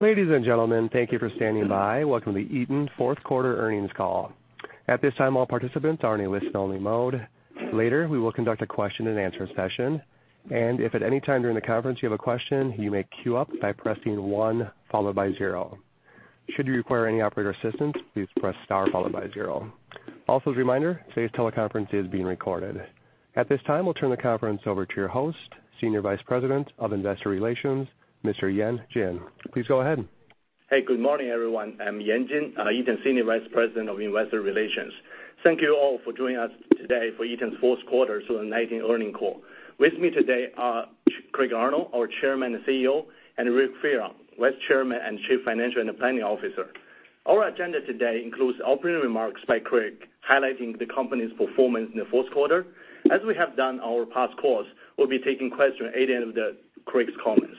Ladies and gentlemen, thank you for standing by. Welcome to the Eaton Q4 earnings call. At this time, all participants are in a listen-only mode. Later, we will conduct a question-and-answer session. If at any time during the conference you have a question, you may queue up by pressing one followed by zero. Should you require any operator assistance, please press star followed by zero. As a reminder, today's teleconference is being recorded. At this time, we'll turn the conference over to your host, Senior Vice President of Investor Relations, Mr. Yan Jin. Please go ahead. Hey, good morning, everyone. I'm Yan Jin, Eaton Senior Vice President of Investor Relations. Thank you all for joining us today for Eaton's Q4 2019 earnings call. With me today are Craig Arnold, our Chairman and CEO, and Rick Fearon, Vice Chairman and Chief Financial and Planning Officer. Our agenda today includes opening remarks by Craig, highlighting the company's performance in the fourth quarter. As we have done on our past calls, we'll be taking questions at the end of Craig's comments.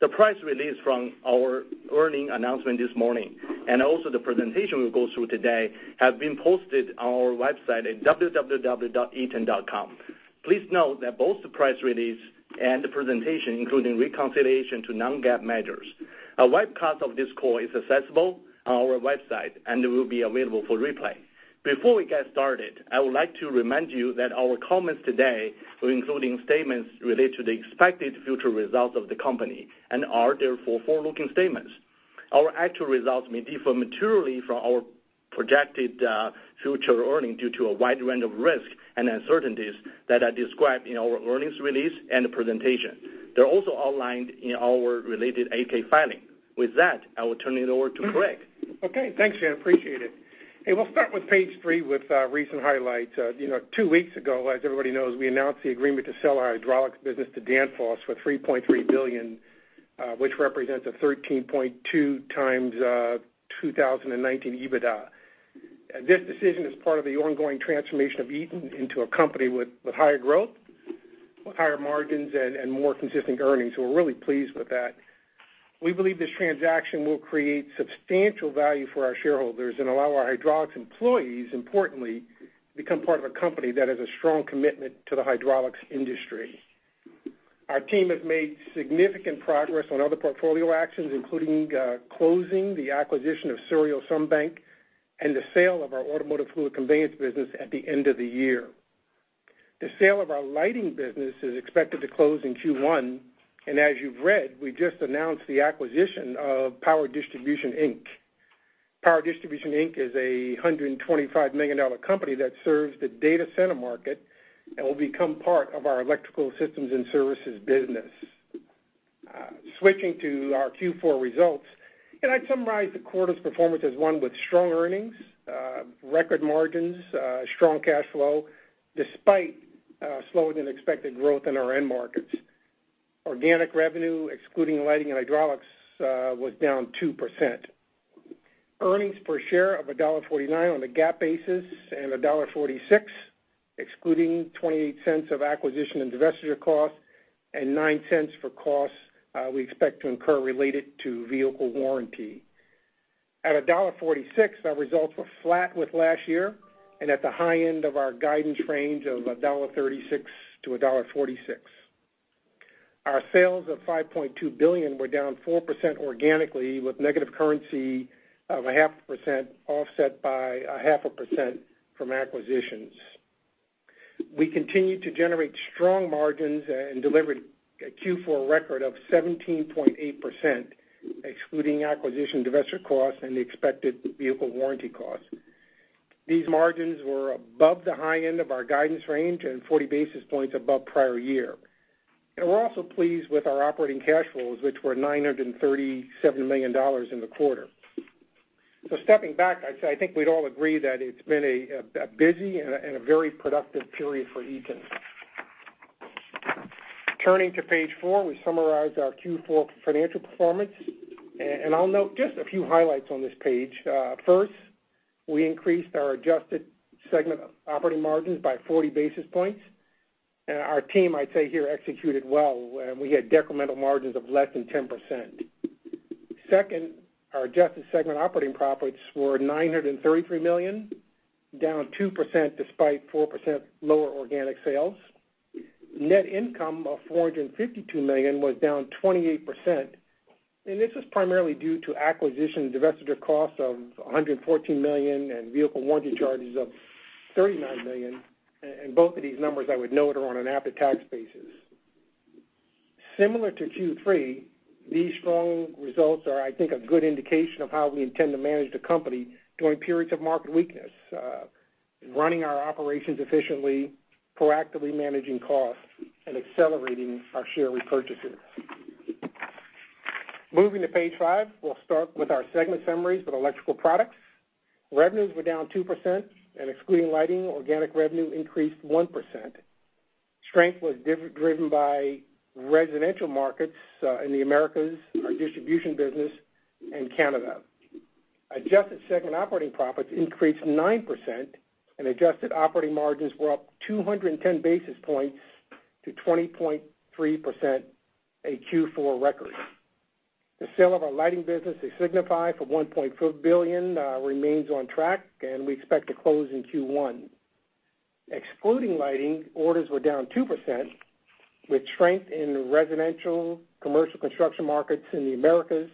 The press release from our earnings announcement this morning, and also the presentation we'll go through today, have been posted on our website at www.eaton.com. Please note that both the press release and the presentation, including reconciliation to non-GAAP measures. A webcast of this call is accessible on our website and will be available for replay. Before we get started, I would like to remind you that our comments today will including statements related to the expected future results of the company and are therefore forward-looking statements. Our actual results may differ materially from our projected future earnings due to a wide range of risks and uncertainties that are described in our earnings release and the presentation. They're also outlined in our related 8-K filing. With that, I will turn it over to Craig. Okay, thanks, Yan. Appreciate it. We'll start with page three with recent highlights. Two weeks ago, as everybody knows, we announced the agreement to sell our Hydraulics business to Danfoss for $3.3 billion, which represents a 13.2 times 2019 EBITDA. This decision is part of the ongoing transformation of Eaton into a company with higher growth, with higher margins, and more consistent earnings. We're really pleased with that. We believe this transaction will create substantial value for our shareholders and allow our Hydraulics employees, importantly, to become part of a company that has a strong commitment to the hydraulics industry. Our team has made significant progress on other portfolio actions, including closing the acquisition of Souriau-Sunbank and the sale of our automotive fluid conveyance business at the end of the year. The sale of our lighting business is expected to close in Q1. As you've read, we just announced the acquisition of Power Distribution, Inc. Power Distribution, Inc. is a $125 million company that serves the data center market and will become part of our Electrical Systems and Services business. Switching to our Q4 results, I'd summarize the quarter's performance as one with strong earnings, record margins, strong cash flow, despite slower than expected growth in our end markets. Organic revenue, excluding lighting and hydraulics, was down 2%. Earnings per share of $1.49 on a GAAP basis and $1.46, excluding $0.28 of acquisition and divestiture costs and $0.09 for costs we expect to incur related to vehicle warranty. At $1.46, our results were flat with last year and at the high end of our guidance range of $1.36 - $1.46. Our sales of $5.2 billion were down 4% organically, with negative currency of a half percent offset by a half a percent from acquisitions. We continued to generate strong margins and delivered a Q4 record of 17.8%, excluding acquisition divesture costs and the expected vehicle warranty costs. These margins were above the high end of our guidance range and 40 basis points above prior year. We're also pleased with our operating cash flows, which were $937 million in the quarter. Stepping back, I'd say I think we'd all agree that it's been a busy and a very productive period for Eaton. Turning to page four, we summarize our Q4 financial performance, and I'll note just a few highlights on this page. First, we increased our adjusted segment operating margins by 40 basis points. Our team, I'd say here, executed well. We had decremental margins of less than 10%. Our adjusted segment operating profits were $933 million, down 2% despite 4% lower organic sales. Net income of $452 million was down 28%, this was primarily due to acquisition divestiture costs of $114 million and vehicle warranty charges of $39 million. Both of these numbers, I would note, are on an APA tax basis. Similar to Q3, these strong results are, I think, a good indication of how we intend to manage the company during periods of market weakness, running our operations efficiently, proactively managing costs, and accelerating our share repurchases. Moving to page five, we'll start with our segment summaries with Electrical Products. Revenues were down 2%, excluding lighting, organic revenue increased 1%. Strength was driven by residential markets in the Americas, our distribution business in Canada. Adjusted segment operating profits increased 9%, and adjusted operating margins were up 210 basis points to 20.3%, a Q4 record. The sale of our lighting business to Signify for $1.4 billion remains on track, and we expect to close in Q1. Excluding lighting, orders were down 2%, with strength in residential commercial construction markets in the Americas.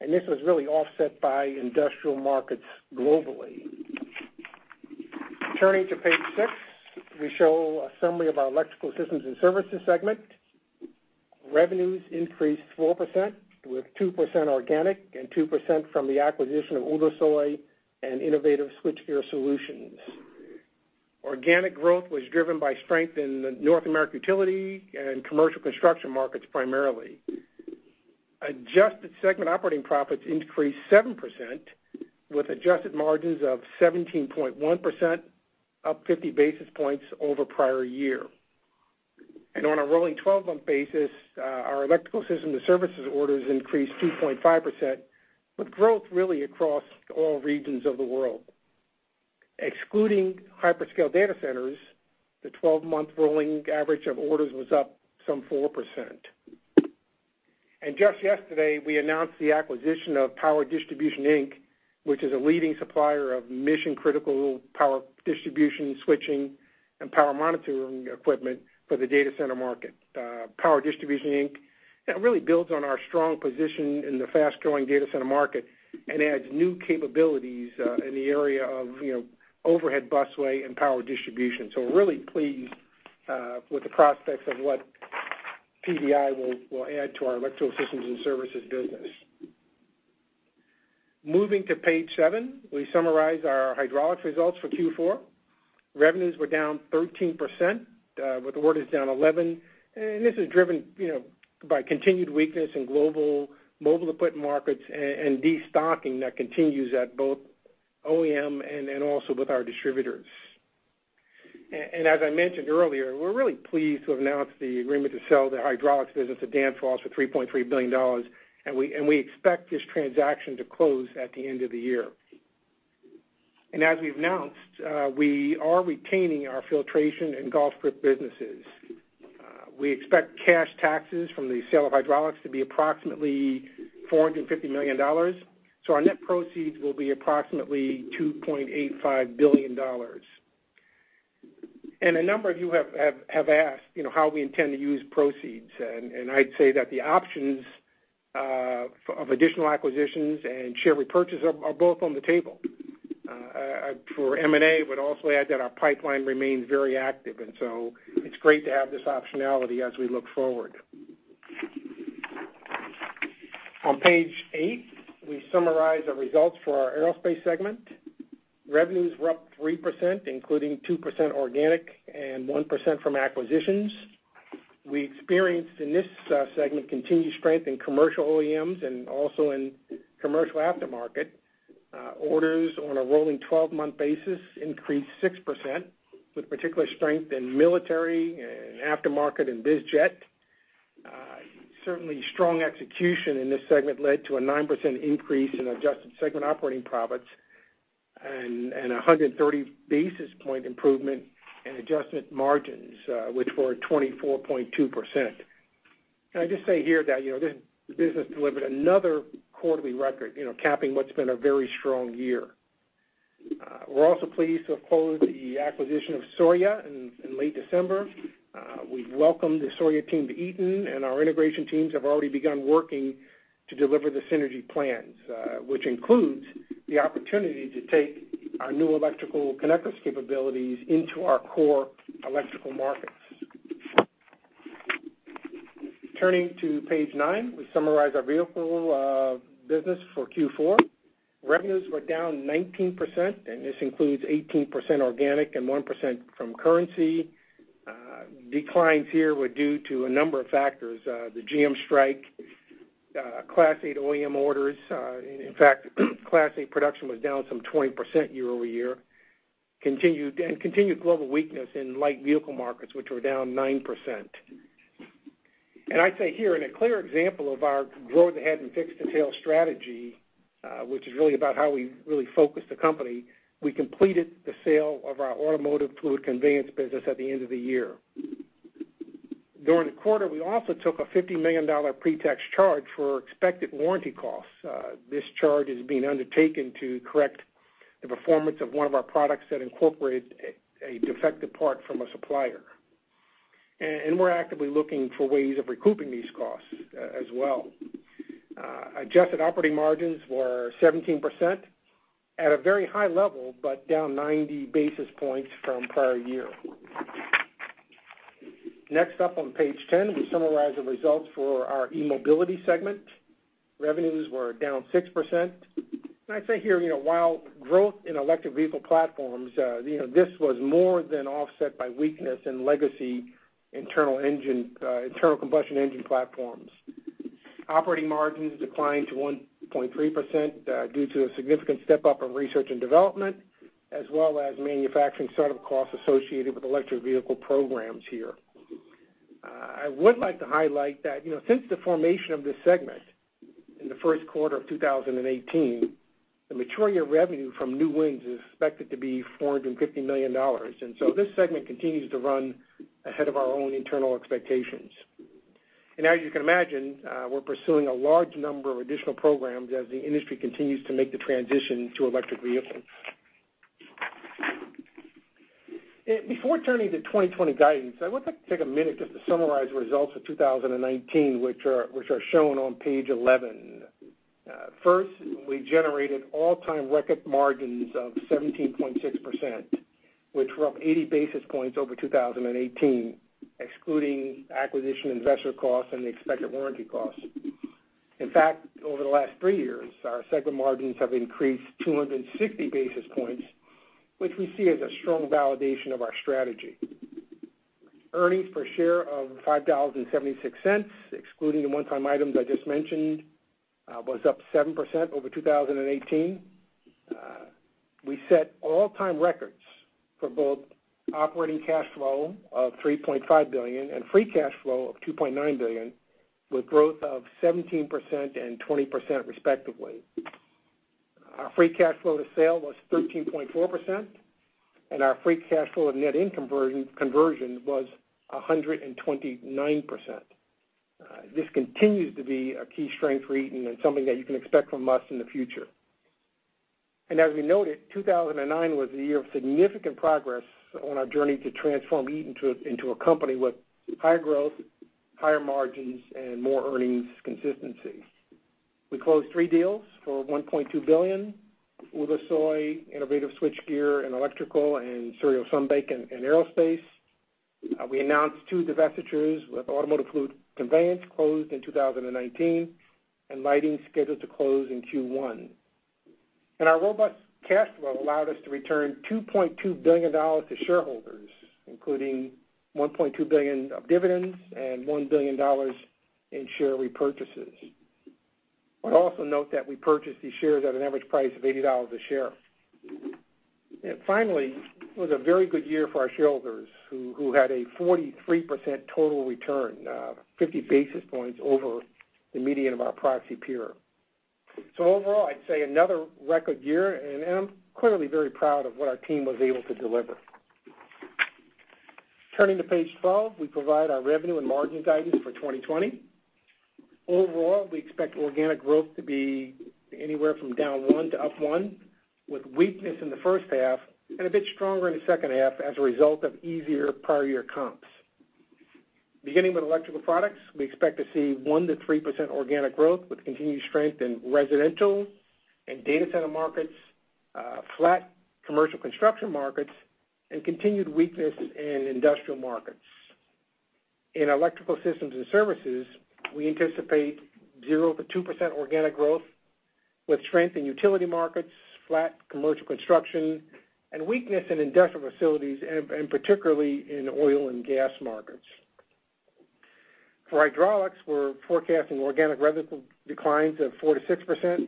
This was really offset by industrial markets globally. Turning to page six, we show a summary of our Electrical Systems and Services segment. Revenues increased 4%, with 2% organic and 2% from the acquisition of Ulusoy and Innovative Switchgear Solutions. Organic growth was driven by strength in the North American utility and commercial construction markets, primarily. Adjusted segment operating profits increased 7%, with adjusted margins of 17.1%, up 50 basis points over prior year. On a rolling 12-month basis, our Electrical Systems and Services orders increased 2.5%, with growth really across all regions of the world. Excluding hyperscale data centers, the 12-month rolling average of orders was up some 4%. Just yesterday, we announced the acquisition of Power Distribution, Inc., which is a leading supplier of mission-critical power distribution switching and power monitoring equipment for the data center market. Power Distribution, Inc. really builds on our strong position in the fast-growing data center market and adds new capabilities in the area of overhead busway and power distribution. We're really pleased with the prospects of what PDI will add to our Electrical Systems and Services business. Moving to page seven, we summarize our hydraulics results for Q4. Revenues were down 13%, with orders down 11%. This is driven by continued weakness in global mobile equipment markets and de-stocking that continues at both OEM and also with our distributors. As I mentioned earlier, we're really pleased to have announced the agreement to sell the hydraulics business to Danfoss for $3.3 billion, and we expect this transaction to close at the end of the year. As we've announced, we are retaining our filtration and golf grip businesses. We expect cash taxes from the sale of hydraulics to be approximately $450 million. Our net proceeds will be approximately $2.85 billion. A number of you have asked how we intend to use proceeds, and I'd say that the options of additional acquisitions and share repurchase are both on the table for M&A. Would also add that our pipeline remains very active. It's great to have this optionality as we look forward. On page 8, we summarize our results for our aerospace segment. Revenues were up 3%, including 2% organic and 1% from acquisitions. We experienced in this segment continued strength in commercial OEMs and also in commercial aftermarket. Orders on a rolling 12-month basis increased 6%, with particular strength in military and aftermarket and bizjet. Strong execution in this segment led to a 9% increase in adjusted segment operating profits and 130 basis point improvement in adjustment margins, which were 24.2%. Can I just say here that the business delivered another quarterly record, capping what's been a very strong year. We're also pleased to have closed the acquisition of Souriau in late December. We've welcomed the Souriau team to Eaton. Our integration teams have already begun working to deliver the synergy plans, which includes the opportunity to take our new electrical connectors capabilities into our core electrical markets. Turning to page nine, we summarize our vehicle business for Q4. Revenues were down 19%. This includes 18% organic and 1% from currency. Declines here were due to a number of factors. The GM strike, Class 8 OEM orders. In fact, Class 8 production was down some 20% year-over-year, continued global weakness in light vehicle markets, which were down 9%. I say here, in a clear example of our grow the head and fix the tail strategy, which is really about how we really focus the company, we completed the sale of our automotive fluid conveyance business at the end of the year. During the quarter, we also took a $50 million pre-tax charge for expected warranty costs. This charge is being undertaken to correct the performance of one of our products that incorporated a defective part from a supplier. We're actively looking for ways of recouping these costs as well. Adjusted operating margins were 17% at a very high level, but down 90 basis points from prior year. Next up on page 10, we summarize the results for our eMobility segment. Revenues were down 6%. Can I say here, while growth in electric vehicle platforms, this was more than offset by weakness in legacy internal combustion engine platforms. Operating margins declined to 1.3% due to a significant step-up in research and development, as well as manufacturing startup costs associated with electric vehicle programs here. I would like to highlight that since the formation of this segment in the first quarter of 2018, the maturing year revenue from new wins is expected to be $450 million. This segment continues to run ahead of our own internal expectations. As you can imagine, we're pursuing a large number of additional programs as the industry continues to make the transition to electric vehicles. Before turning to 2020 guidance, I would like to take a minute just to summarize results of 2019, which are shown on page 11. First, we generated all-time record margins of 17.6%, which were up 80 basis points over 2018, excluding acquisition investor costs and the expected warranty costs. In fact, over the last three years, our segment margins have increased 260 basis points, which we see as a strong validation of our strategy. Earnings per share of $5.76, excluding the one-time items I just mentioned, was up 7% over 2018. We set all-time records for both operating cash flow of $3.5 billion and free cash flow of $2.9 billion, with growth of 17% and 20% respectively. Our free cash flow to sale was 13.4%, our free cash flow and net income conversion was 129%. This continues to be a key strength for Eaton and something that you can expect from us in the future. As we noted, 2009 was a year of significant progress on our journey to transform Eaton into a company with higher growth, higher margins, and more earnings consistency. We closed three deals for $1.2 billion with Ulusoy Innovative Switchgear in Electrical and Souriau-Sunbank in Aerospace. We announced two divestitures, with Automotive Fluid Conveyance closed in 2019 and Lighting scheduled to close in Q1. Our robust cash flow allowed us to return $2.2 billion to shareholders, including $1.2 billion of dividends and $1 billion in share repurchases. I would also note that we purchased these shares at an average price of $80 a share. Finally, it was a very good year for our shareholders, who had a 43% total return, 50 basis points over the median of our proxy peer. Overall, I'd say another record year, and I'm clearly very proud of what our team was able to deliver. Turning to page 12, we provide our revenue and margin guidance for 2020. Overall, we expect organic growth to be anywhere from -1% to 1%, with weakness in the first half and a bit stronger in the second half as a result of easier prior year comps. Beginning with Electrical Products, we expect to see 1%-3% organic growth, with continued strength in residential and data center markets, flat commercial construction markets, and continued weakness in industrial markets. In Electrical Systems and Services, we anticipate 0%-2% organic growth with strength in utility markets, flat commercial construction, weakness in industrial facilities, and particularly in oil and gas markets. For Hydraulics, we're forecasting organic revenue declines of 4%-6%,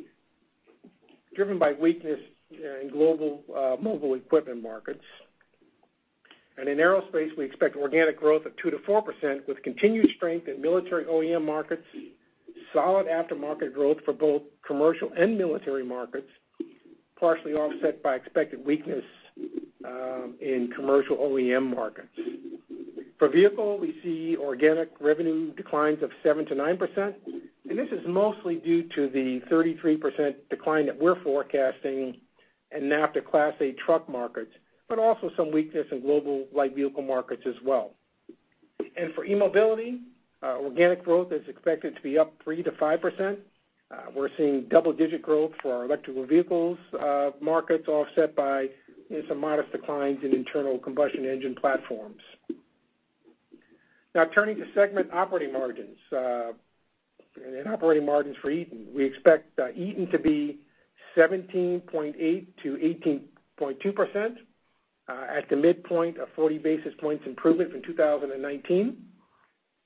driven by weakness in global mobile equipment markets. In Aerospace, we expect organic growth of 2%-4%, with continued strength in military OEM markets, solid aftermarket growth for both commercial and military markets, partially offset by expected weakness in commercial OEM markets. For Vehicle, we see organic revenue declines of 7%-9%. This is mostly due to the 33% decline that we're forecasting in NAFTA Class 8 truck markets, also some weakness in global light vehicle markets as well. For eMobility, organic growth is expected to be up 3%-5%. We're seeing double-digit growth for our electrical vehicles markets, offset by some modest declines in internal combustion engine platforms. Now turning to segment operating margins. In operating margins for Eaton, we expect Eaton to be 17.8%-18.2%, at the midpoint a 40 basis points improvement from 2019.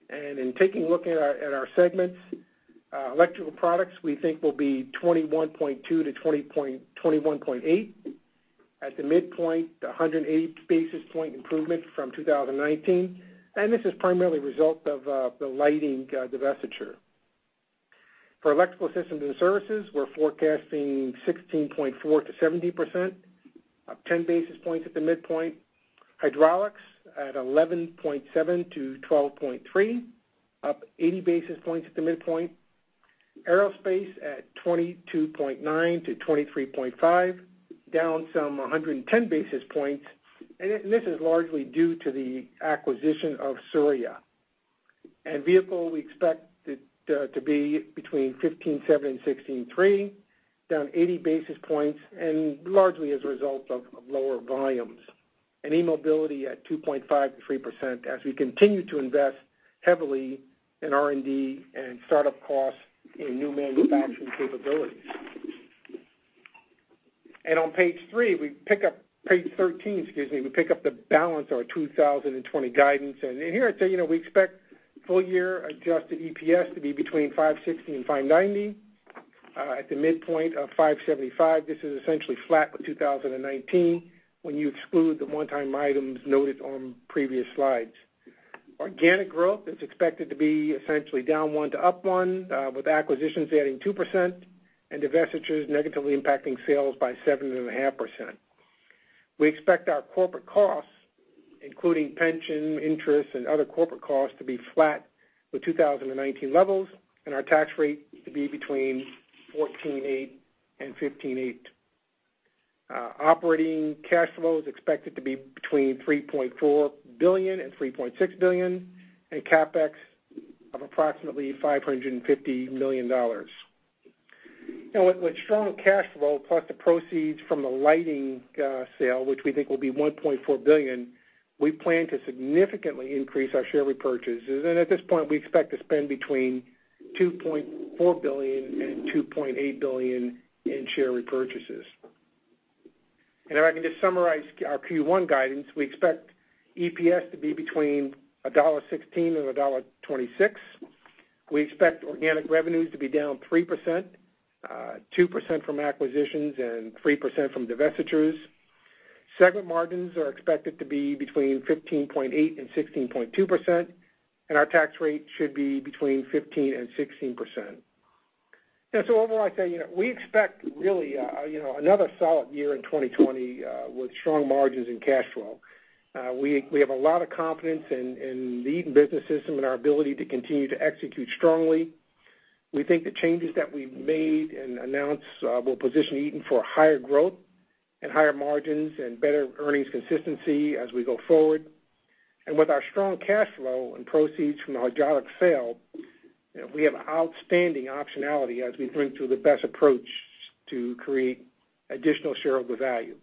In taking a look at our segments, Electrical Products we think will be 21.2%-21.8%. At the midpoint, 180 basis point improvement from 2019. This is primarily a result of the lighting divestiture. For Electrical Systems and Services, we're forecasting 16.4%-17%, up 10 basis points at the midpoint. Hydraulics at 11.7%-12.3%, up 80 basis points at the midpoint. Aerospace at 22.9%-23.5%, down some 110 basis points. This is largely due to the acquisition of Souriau. Vehicle, we expect to be between 15.7% and 16.3%, down 80 basis points, largely as a result of lower volumes. eMobility at 2.5%-3% as we continue to invest heavily in R&D and startup costs in new manufacturing capabilities. On page three, we pick up-- page 13, excuse me, we pick up the balance of our 2020 guidance. Here I'd say, we expect full year adjusted EPS to be between $5.60 and $5.90. At the midpoint of $5.75, this is essentially flat with 2019 when you exclude the one-time items noted on previous slides. Organic growth is expected to be essentially down 1% to up 1%, with acquisitions adding 2% and divestitures negatively impacting sales by 7.5%. We expect our corporate costs, including pension interests and other corporate costs, to be flat with 2019 levels, and our tax rate to be between 14.8% and 15.8%. Operating cash flow is expected to be between $3.4 billion and $3.6 billion, and CapEx of approximately $550 million. With strong cash flow plus the proceeds from the lighting sale, which we think will be $1.4 billion, we plan to significantly increase our share repurchases. At this point, we expect to spend between $2.4 billion and $2.8 billion in share repurchases. If I can just summarize our Q1 guidance, we expect EPS to be between $1.16 and $1.26. We expect organic revenues to be down 3%, 2% from acquisitions, and 3% from divestitures. Segment margins are expected to be between 15.8%-16.2%, and our tax rate should be between 15%-16%. Overall, I'd say, we expect really, another solid year in 2020 with strong margins in cash flow. We have a lot of confidence in the Eaton Business System and our ability to continue to execute strongly. We think the changes that we've made and announced will position Eaton for higher growth and higher margins and better earnings consistency as we go forward. With our strong cash flow and proceeds from the hydraulics sale, we have outstanding optionality as we think through the best approach to create additional shareholder value.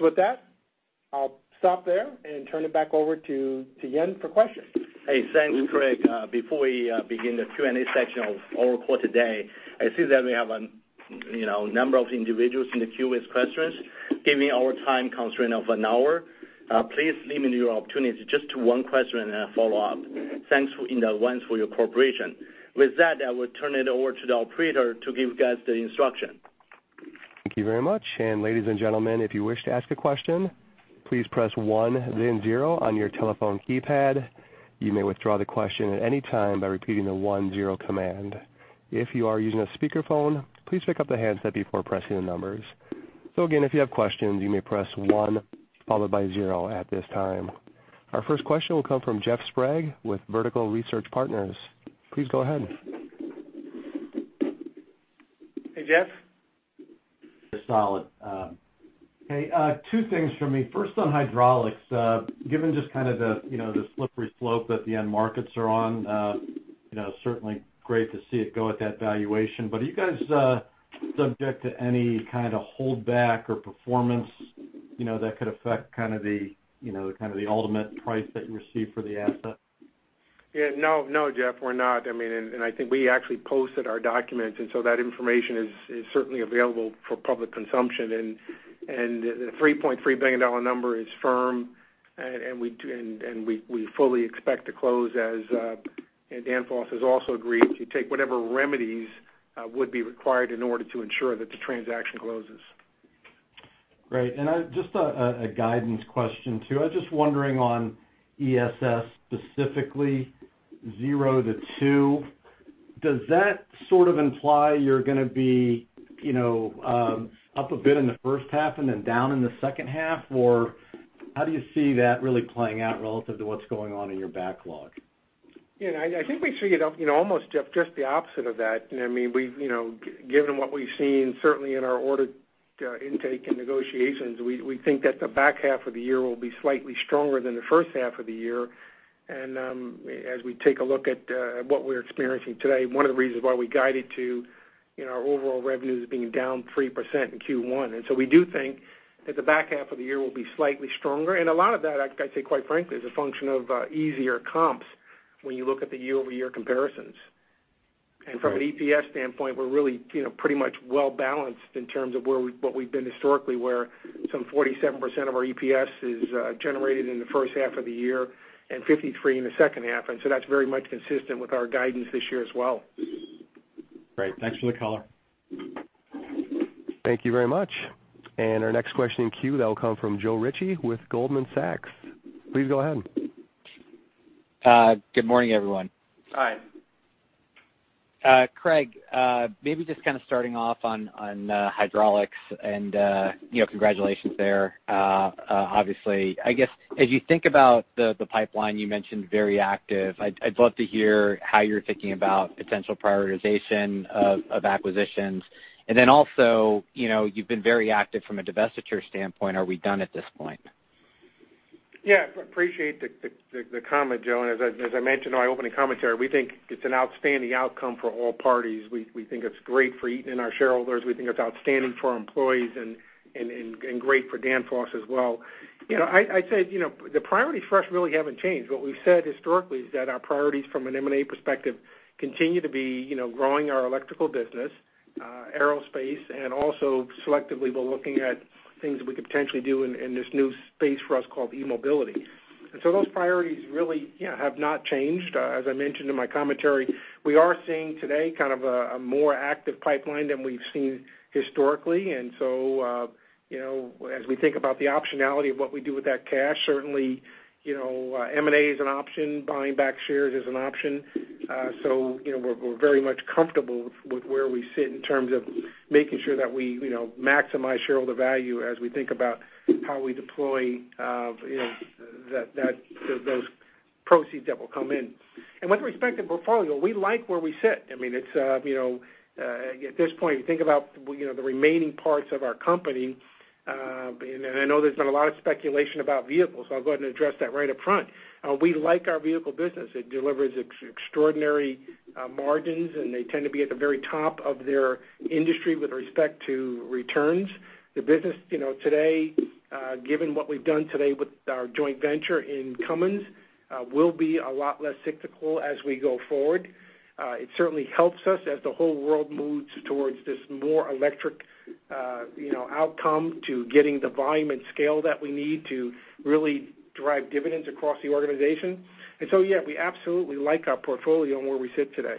With that, I'll stop there and turn it back over to Yan for questions. Hey, thanks, Craig. Before we begin the Q&A section of our call today, I see that we have a number of individuals in the queue with questions. Given our time constraint of an hour, please limit your opportunity to just one question and a follow-up. Thanks in advance for your cooperation. With that, I will turn it over to the operator to give you guys the instruction. Thank you very much. Ladies and gentlemen, if you wish to ask a question, please press one then zero on your telephone keypad. You may withdraw the question at any time by repeating the one-zero command. If you are using a speakerphone, please pick up the handset before pressing the numbers. Again, if you have questions, you may press one followed by zero at this time. Our first question will come from Jeffrey Sprague with Vertical Research Partners. Please go ahead. Hey, Jeff. Solid. Hey, two things from me. First, on hydraulics. Given just kind of the slippery slope that the end markets are on, certainly great to see it go at that valuation. Are you guys subject to any kind of holdback or performance that could affect kind of the ultimate price that you receive for the asset? Yeah. No, Jeff, we're not. I think we actually posted our documents, that information is certainly available for public consumption. The $3.3 billion number is firm, we fully expect to close, as Danfoss has also agreed, to take whatever remedies would be required in order to ensure that the transaction closes. Great. Just a guidance question, too. I was just wondering on ESS specifically, 0-2, does that sort of imply you're going to be up a bit in the H1 and then down in H2, or how do you see that really playing out relative to what's going on in your backlog? Yeah, I think we see it up almost, Jeff, just the opposite of that. Given what we've seen, certainly in our order intake and negotiations, we think that the back half of the year will be slightly stronger than the first half of the year. As we take a look at what we're experiencing today, one of the reasons why we guided to our overall revenues being down 3% in Q1. We do think that the back half of the year will be slightly stronger. A lot of that, I'd say quite frankly, is a function of easier comps when you look at the year-over-year comparisons. Right. From an EPS standpoint, we're really pretty much well-balanced in terms of what we've been historically, where some 47% of our EPS is generated in H1 of the year and 53% in H2. That's very much consistent with our guidance this year as well. Great. Thanks for the color. Thank you very much. Our next question in queue, that will come from Joe Ritchie with Goldman Sachs. Please go ahead. Good morning, everyone. Hi. Craig, maybe just kind of starting off on hydraulics and congratulations there. Obviously, I guess, as you think about the pipeline, you mentioned very active. I'd love to hear how you're thinking about potential prioritization of acquisitions. Then also, you've been very active from a divestiture standpoint. Are we done at this point? Yeah, appreciate the comment, Joe. As I mentioned in my opening commentary, we think it's an outstanding outcome for all parties. We think it's great for Eaton and our shareholders. We think it's outstanding for our employees and great for Danfoss as well. I'd say, the priorities for us really haven't changed. What we've said historically is that our priorities from an M&A perspective continue to be growing our electrical business, aerospace, and also selectively, we're looking at things that we could potentially do in this new space for us called eMobility. Those priorities really have not changed. As I mentioned in my commentary, we are seeing today kind of a more active pipeline than we've seen historically. As we think about the optionality of what we do with that cash, certainly, M&A is an option, buying back shares is an option. We're very much comfortable with where we sit in terms of making sure that we maximize shareholder value as we think about how we deploy those proceeds that will come in. With respect to portfolio, we like where we sit. At this point, you think about the remaining parts of our company, and I know there's been a lot of speculation about vehicles. I'll go ahead and address that right up front. We like our vehicle business. It delivers extraordinary margins, and they tend to be at the very top of their industry with respect to returns. The business today, given what we've done today with our joint venture in Cummins, will be a lot less cyclical as we go forward. It certainly helps us as the whole world moves towards this more electric outcome to getting the volume and scale that we need to really drive dividends across the organization. Yeah, we absolutely like our portfolio and where we sit today.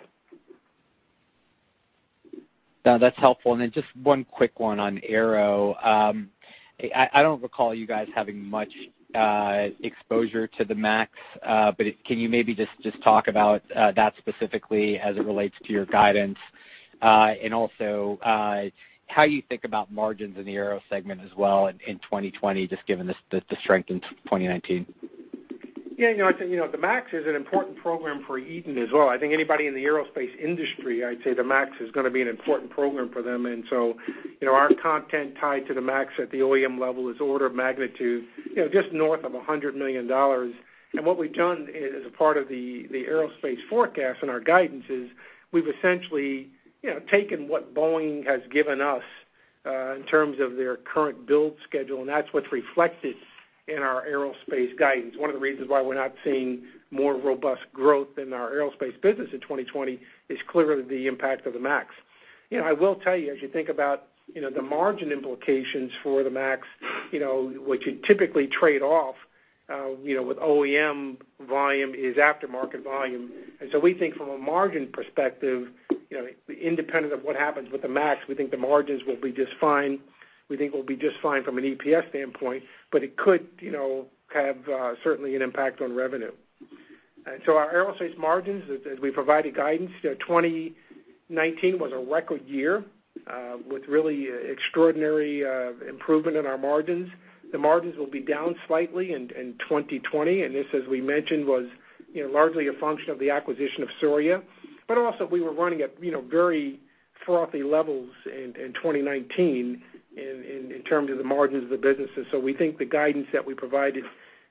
That's helpful. Just one quick one on Aero. I don't recall you guys having much exposure to the Max, can you maybe just talk about that specifically as it relates to your guidance? Also, how you think about margins in the Aero segment as well in 2020, just given the strength in 2019. I think, the Max is an important program for Eaton as well. I think anybody in the aerospace industry, I'd say the Max is going to be an important program for them. Our content tied to the Max at the OEM level is order of magnitude, just north of $100 million. What we've done as a part of the aerospace forecast and our guidance is, we've essentially taken what Boeing has given us, in terms of their current build schedule, and that's what's reflected in our aerospace guidance. One of the reasons why we're not seeing more robust growth in our aerospace business in 2020 is clearly the impact of the Max. I will tell you, as you think about the margin implications for the Max, what you typically trade off, with OEM volume is aftermarket volume. We think from a margin perspective, independent of what happens with the Max, we think the margins will be just fine. We think it will be just fine from an EPS standpoint, but it could have certainly an impact on revenue. Our aerospace margins, as we provided guidance, 2019 was a record year, with really extraordinary improvement in our margins. The margins will be down slightly in 2020, and this, as we mentioned, was largely a function of the acquisition of Souriau. Also, we were running at very frothy levels in 2019 in terms of the margins of the businesses. We think the guidance that we provided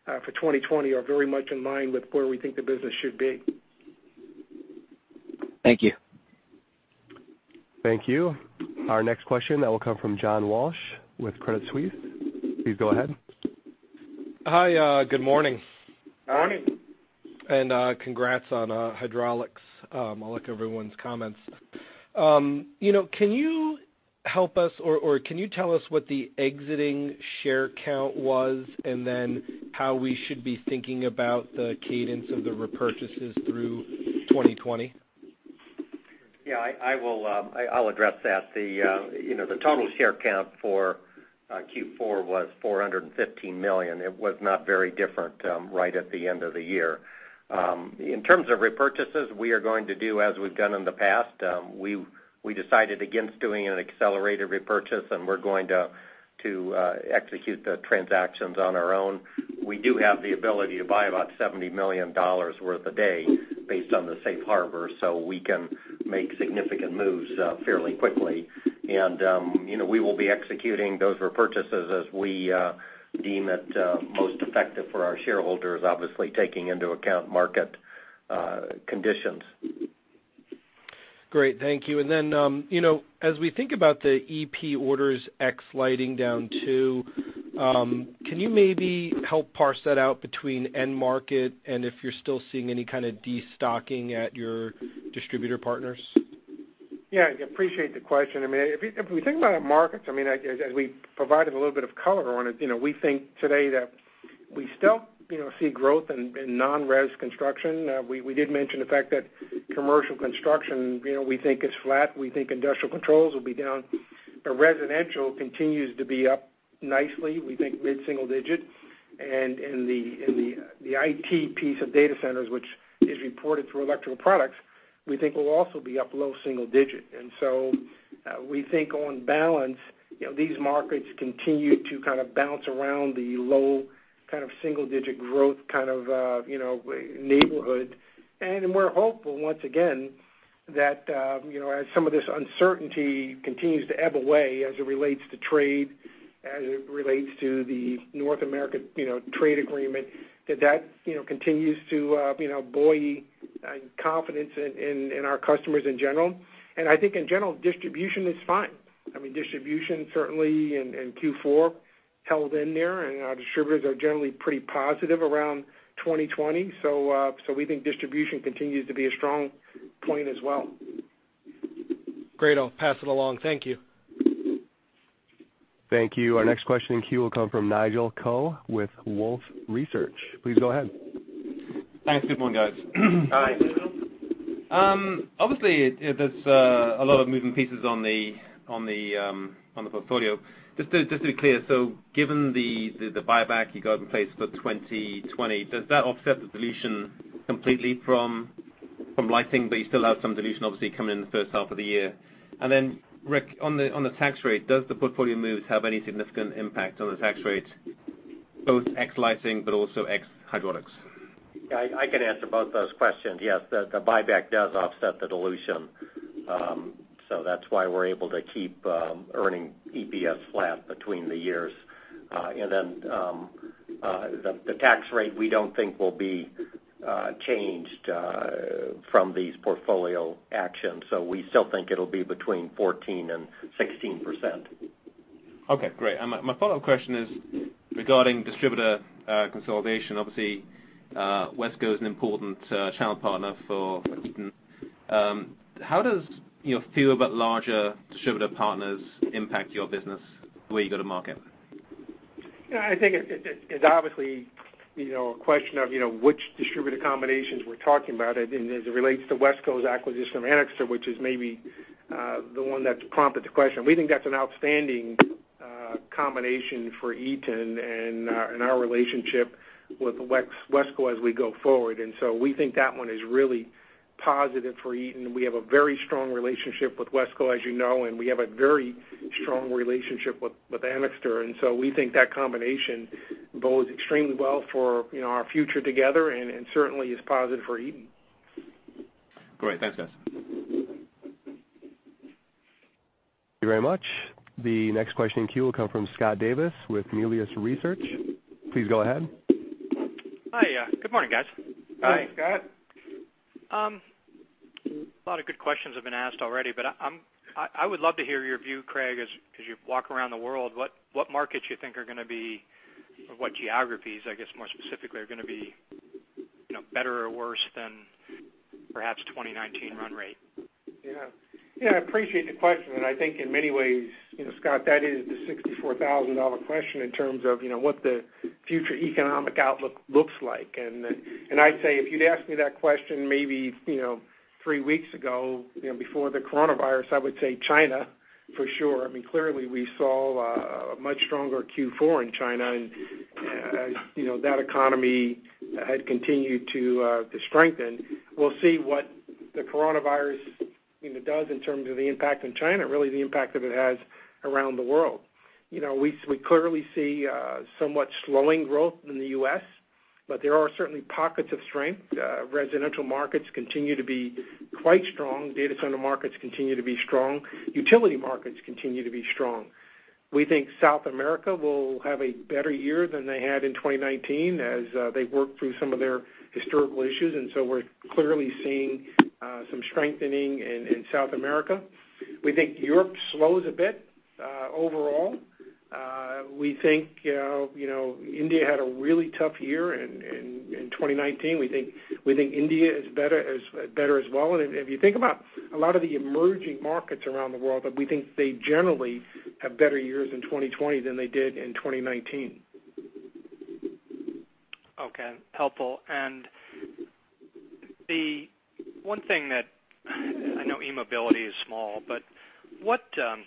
for 2020 are very much in line with where we think the business should be. Thank you. Thank you. Our next question that will come from John Walsh with Credit Suisse. Please go ahead. Hi. Good morning. Morning. Congrats on hydraulics. I like everyone's comments. Can you help us, or can you tell us what the exiting share count was, and then how we should be thinking about the cadence of the repurchases through 2020? Yeah, I'll address that. The total share count for Q4 was 415 million. It was not very different right at the end of the year. In terms of repurchases, we are going to do as we've done in the past. We decided against doing an accelerated repurchase. We're going to execute the transactions on our own. We do have the ability to buy about $70 million worth a day based on the safe harbor, so we can make significant moves fairly quickly. We will be executing those repurchases as we deem it most effective for our shareholders, obviously taking into account market conditions. Great. Thank you. Then, as we think about the EP orders ex lighting down too, can you maybe help parse that out between end market and if you're still seeing any kind of de-stocking at your distributor partners? Yeah, appreciate the question. If we think about markets, as we provided a little bit of color on it, we think today that we still see growth in non-res construction. We did mention the fact that commercial construction, we think, is flat. We think industrial controls will be down. Residential continues to be up nicely, we think mid-single digit. The IT piece of data centers, which is reported through Electrical Products, we think will also be up low single digit. We think on balance, these markets continue to kind of bounce around the low kind of single-digit growth kind of neighborhood. We're hopeful once again that, as some of this uncertainty continues to ebb away as it relates to trade, as it relates to the North America Trade Agreement, that that continues to buoy confidence in our customers in general. I think in general, distribution is fine. Distribution certainly in Q4 held in there, and our distributors are generally pretty positive around 2020. We think distribution continues to be a strong point as well. Great. I'll pass it along. Thank you. Thank you. Our next question in queue will come from Nigel Coe with Wolfe Research. Please go ahead. Thanks. Good morning, guys. Hi, Nigel. Obviously, there's a lot of moving pieces on the portfolio. Just to be clear, given the buyback you got in place for 2020, does that offset the dilution completely From lighting, but you still have some dilution obviously coming in the first half of the year. Rick, on the tax rate, does the portfolio moves have any significant impact on the tax rate, both ex lighting, but also ex hydraulics? Yeah, I can answer both those questions. Yes, the buyback does offset the dilution. That's why we're able to keep earning EPS flat between the years. The tax rate we don't think will be changed from these portfolio actions. We still think it'll be between 14% and 16%. Okay, great. My follow-up question is regarding distributor consolidation. Obviously, WESCO is an important channel partner for Eaton. How does few of our larger distributor partners impact your business the way you go to market? I think it's obviously a question of which distributor combinations we're talking about. As it relates to WESCO's acquisition of Anixter, which is maybe the one that's prompted the question, we think that's an outstanding combination for Eaton and our relationship with WESCO as we go forward. So we think that one is really positive for Eaton. We have a very strong relationship with WESCO, as you know, and we have a very strong relationship with Anixter. So we think that combination bodes extremely well for our future together and certainly is positive for Eaton. Great. Thanks, guys. Thank you very much. The next question in queue will come from Scott Davis with Melius Research. Please go ahead. Hi. Good morning, guys. Hi, Scott. A lot of good questions have been asked already, but I would love to hear your view, Craig, as you walk around the world, what markets you think are going to be, or what geographies, I guess, more specifically, are going to be better or worse than perhaps 2019 run rate? Yeah. I appreciate the question, and I think in many ways, Scott, that is the $64,000 question in terms of what the future economic outlook looks like. I'd say if you'd asked me that question maybe three weeks ago, before the coronavirus, I would say China for sure. I mean, clearly we saw a much stronger Q4 in China, and that economy had continued to strengthen. We'll see what the coronavirus does in terms of the impact on China, really the impact that it has around the world. We clearly see somewhat slowing growth in the U.S., but there are certainly pockets of strength. Residential markets continue to be quite strong. Data center markets continue to be strong. Utility markets continue to be strong. We think South America will have a better year than they had in 2019 as they work through some of their historical issues. We're clearly seeing some strengthening in South America. We think Europe slows a bit overall. We think India had a really tough year in 2019. We think India is better as well. If you think about a lot of the emerging markets around the world, but we think they generally have better years in 2020 than they did in 2019. Okay. Helpful. The one thing that, I know eMobility is small, but what are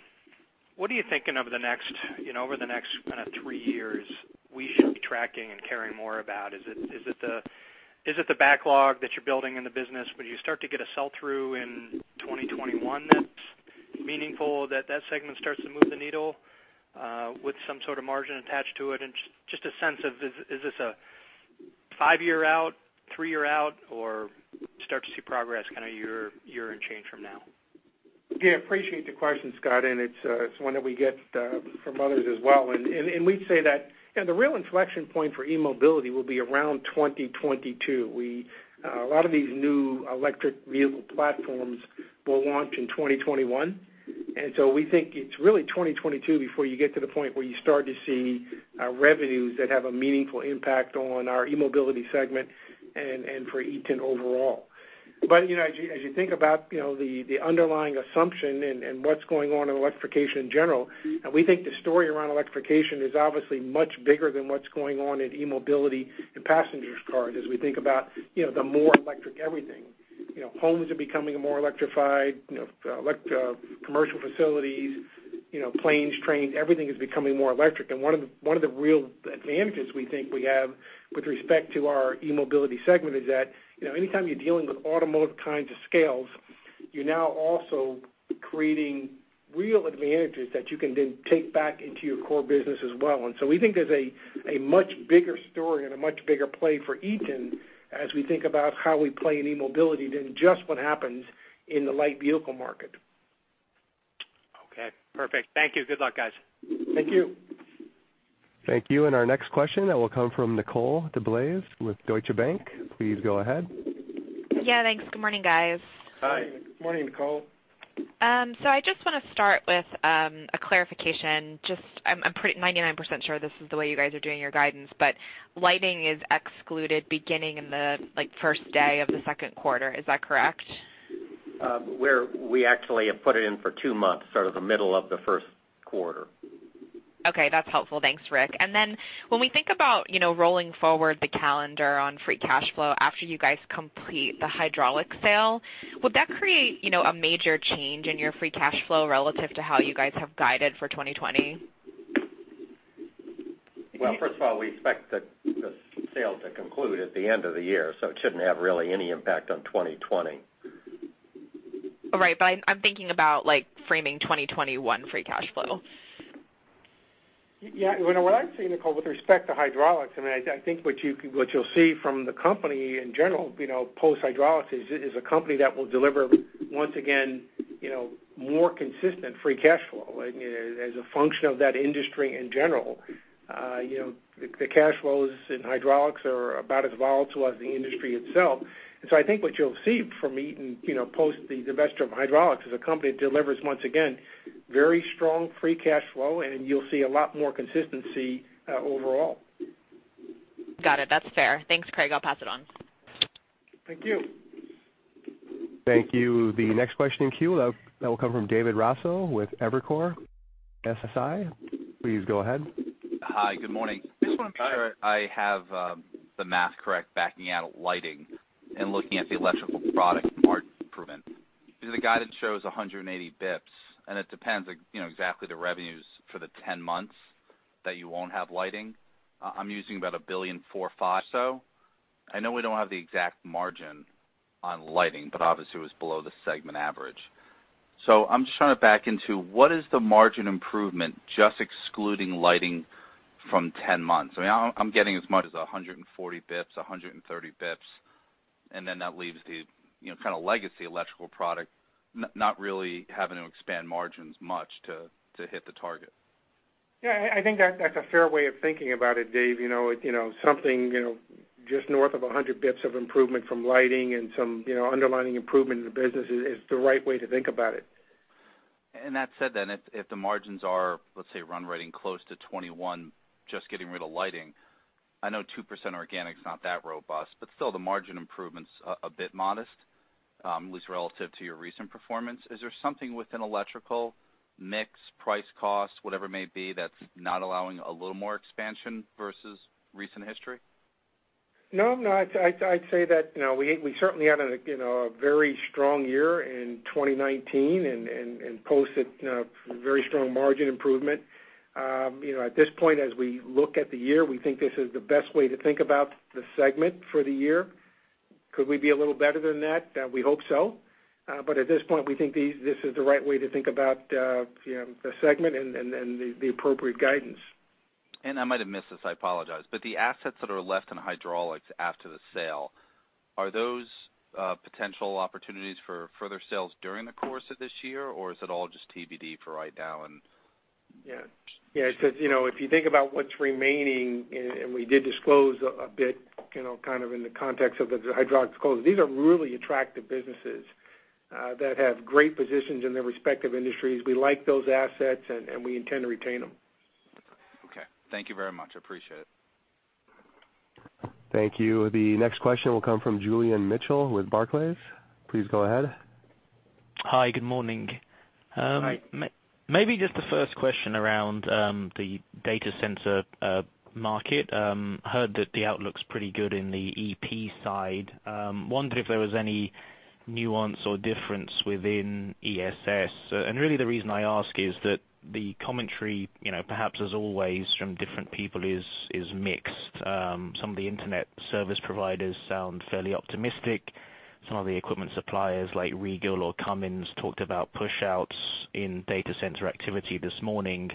you thinking over the next kind of three years we should be tracking and caring more about? Is it the backlog that you're building in the business? Would you start to get a sell-through in 2021 that's meaningful, that segment starts to move the needle with some sort of margin attached to it? Just a sense of, is this a five-year out, three-year out, or start to see progress kind of year and change from now? Yeah, appreciate the question, Scott. It's one that we get from others as well. We'd say that the real inflection point for eMobility will be around 2022. A lot of these new electric vehicle platforms will launch in 2021. We think it's really 2022 before you get to the point where you start to see revenues that have a meaningful impact on our eMobility segment and for Eaton overall. As you think about the underlying assumption and what's going on in electrification in general, we think the story around electrification is obviously much bigger than what's going on in eMobility and passengers cars as we think about the more electric everything. Homes are becoming more electrified, commercial facilities, planes, trains, everything is becoming more electric. One of the real advantages we think we have with respect to our eMobility segment is that anytime you're dealing with automotive kinds of scales, you're now also creating real advantages that you can then take back into your core business as well. We think there's a much bigger story and a much bigger play for Eaton as we think about how we play in eMobility than just what happens in the light vehicle market. Okay, perfect. Thank you. Good luck, guys. Thank you. Thank you. Our next question will come from Nicole DeBlase with Deutsche Bank. Please go ahead. Yeah, thanks. Good morning, guys. Hi. Good morning, Nicole. I just want to start with a clarification. I'm pretty 99% sure this is the way you guys are doing your guidance, but lighting is excluded beginning in the first day of Q2. Is that correct? We actually have put it in for two months, sort of the middle of Q1. Okay, that's helpful. Thanks, Richard H. Fearon. When we think about rolling forward the calendar on free cash flow after you guys complete the hydraulics sale, would that create a major change in your free cash flow relative to how you guys have guided for 2020? First of all, we expect the sale to conclude at the end of the year, so it shouldn't have really any impact on 2020. Right. I'm thinking about framing 2021 free cash flow. Yeah. What I'd say, Nicole, with respect to Hydraulics, I think what you'll see from the company in general, post-Hydraulics, is a company that will deliver, once again, more consistent free cash flow as a function of that industry in general. The cash flows in Hydraulics are about as volatile as the industry itself. I think what you'll see from Eaton, post the divestiture of Hydraulics, is a company that delivers, once again, very strong free cash flow, and you'll see a lot more consistency overall. Got it. That's fair. Thanks, Craig. I'll pass it on. Thank you. Thank you. The next question in queue, that will come from David Raso with Evercore ISI. Please go ahead. Hi, good morning. Hi. Just want to make sure I have the math correct backing out Lighting and looking at the Electrical Products margin improvement. The guidance shows 180 basis points, it depends exactly the revenues for the 10 months that you won't have Lighting. I'm using about $1.4 billion or so. I know we don't have the exact margin on Lighting, obviously it was below the segment average. I'm just trying to back into what is the margin improvement, just excluding Lighting from 10 months? I'm getting as much as 140 basis points, 130 basis points, that leaves the kind of legacy Electrical Products not really having to expand margins much to hit the target. Yeah, I think that's a fair way of thinking about it, Dave. Something just north of 100 basis points of improvement from Lighting and some underlying improvement in the business is the right way to think about it. That said, if the margins are, let's say, run rating close to 21%, just getting rid of Lighting, I know 2% organic is not that robust, but still the margin improvement's a bit modest, at least relative to your recent performance. Is there something within Electrical, mix, price, cost, whatever it may be, that's not allowing a little more expansion versus recent history? I'd say that we certainly had a very strong year in 2019 and posted very strong margin improvement. At this point as we look at the year, we think this is the best way to think about the segment for the year. Could we be a little better than that? We hope so. At this point, we think this is the right way to think about the segment and the appropriate guidance. I might have missed this, I apologize. The assets that are left in Hydraulics after the sale, are those potential opportunities for further sales during the course of this year, or is it all just TBD for right now? Yeah. If you think about what's remaining, and we did disclose a bit kind of in the context of the Hydraulics close, these are really attractive businesses that have great positions in their respective industries. We like those assets, and we intend to retain them. Okay. Thank you very much. I appreciate it. Thank you. The next question will come from Julian Mitchell with Barclays. Please go ahead. Hi. Good morning. Hi. Maybe just the first question around the data center market. Heard that the outlook's pretty good in the EP side. Wondered if there was any nuance or difference within ESS. Really the reason I ask is that the commentary, perhaps as always from different people, is mixed. Some of the internet service providers sound fairly optimistic. Some of the equipment suppliers like Regal or Cummins talked about push-outs in data center activity this morning.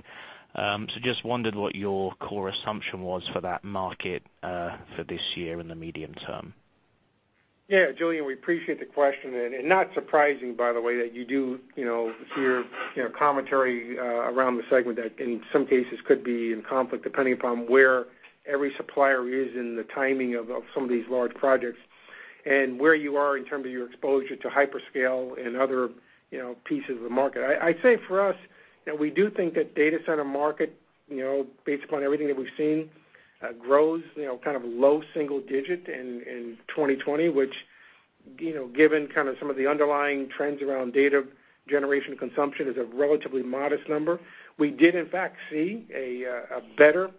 Just wondered what your core assumption was for that market for this year and the medium term. Yeah, Julian, we appreciate the question. Not surprising, by the way, that you do hear commentary around the segment that in some cases could be in conflict, depending upon where every supplier is in the timing of some of these large projects and where you are in terms of your exposure to hyperscale and other pieces of the market. I'd say for us, we do think that data center market, based upon everything that we've seen, grows kind of low single digit in 2020, which given kind of some of the underlying trends around data generation consumption, is a relatively modest number. We did in fact see a better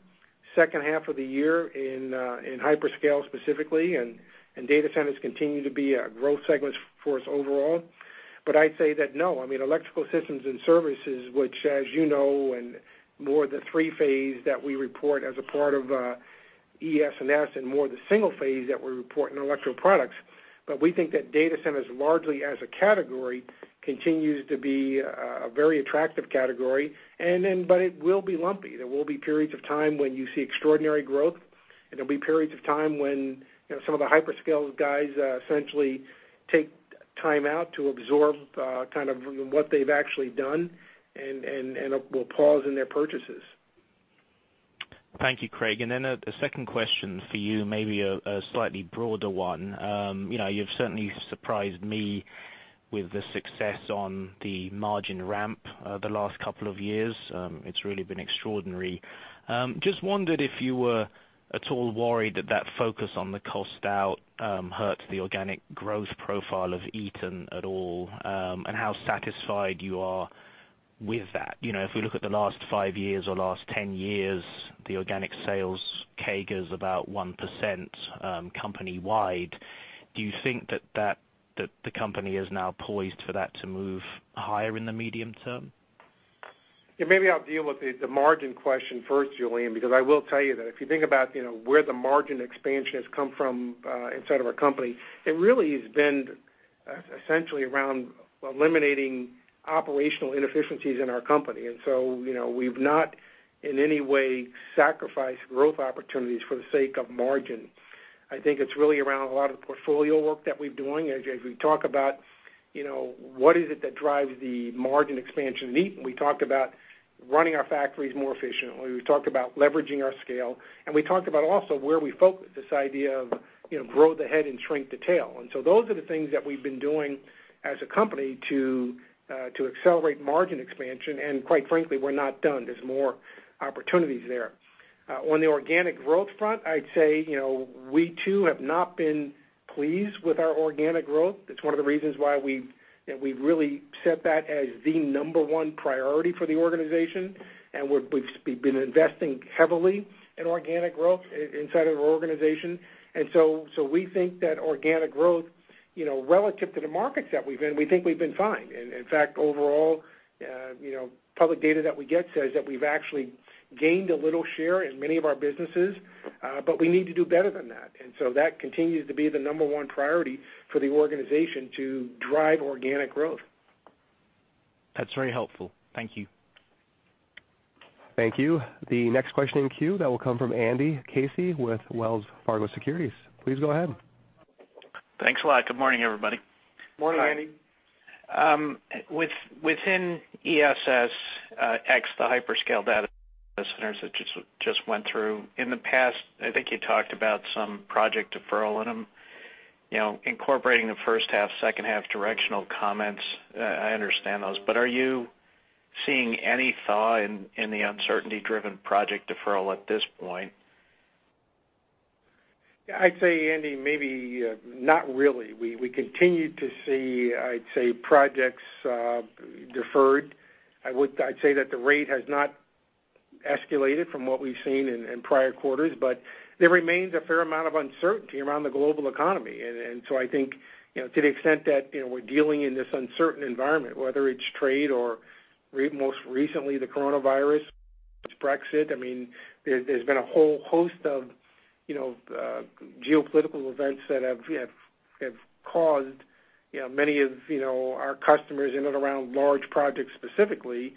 second half of the year in hyperscale specifically, and data centers continue to be a growth segment for us overall. I'd say that no, Electrical Systems and Services, which as you know, and more the three-phase that we report as a part of ES&S and more the single phase that we report in Electrical Products, but we think that data centers largely as a category continues to be a very attractive category. It will be lumpy. There will be periods of time when you see extraordinary growth, and there'll be periods of time when some of the hyperscale guys essentially take time out to absorb kind of what they've actually done and will pause in their purchases. Thank you, Craig. A second question for you, maybe a slightly broader one. You've certainly surprised me with the success on the margin ramp the last couple of years. It's really been extraordinary. Just wondered if you were at all worried that that focus on the cost out hurts the organic growth profile of Eaton at all, and how satisfied you are with that. If we look at the last five years or last 10 years, the organic sales CAGR is about 1% company-wide. Do you think that the company is now poised for that to move higher in the medium term? Yeah. Maybe I'll deal with the margin question first, Julian, because I will tell you that if you think about where the margin expansion has come from inside of our company, it really has been essentially around eliminating operational inefficiencies in our company. We've not in any way sacrificed growth opportunities for the sake of margin. I think it's really around a lot of the portfolio work that we're doing. As we talk about what is it that drives the margin expansion at Eaton, we talked about running our factories more efficiently, we talked about leveraging our scale, and we talked about also where we focus this idea of grow the head and shrink the tail. Those are the things that we've been doing as a company to accelerate margin expansion, and quite frankly, we're not done. There's more opportunities there. On the organic growth front, I'd say, we too have not been pleased with our organic growth. It's one of the reasons why we really set that as the number one priority for the organization, and we've been investing heavily in organic growth inside of our organization. We think that organic growth, relative to the markets that we've in, we think we've been fine. In fact, overall public data that we get says that we've actually gained a little share in many of our businesses, but we need to do better than that. That continues to be the number one priority for the organization to drive organic growth. That's very helpful. Thank you. Thank you. The next question in queue that will come from Andrew Casey with Wells Fargo Securities. Please go ahead. Thanks a lot. Good morning, everybody. Morning, Andrew. Within ESS, ex the hyperscale data centers that you just went through, in the past, I think you talked about some project deferral in them. Incorporating H1, H2 directional comments, I understand those, but are you seeing any thaw in the uncertainty-driven project deferral at this point? Yeah. I'd say, Andrew, maybe not really. We continue to see, I'd say, projects deferred. I'd say that the rate has not escalated from what we've seen in prior quarters, but there remains a fair amount of uncertainty around the global economy. So I think, to the extent that we're dealing in this uncertain environment, whether it's trade or most recently the coronavirus, Brexit, there's been a whole host of geopolitical events that have caused many of our customers in and around large projects specifically to